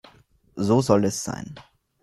So soll es sein.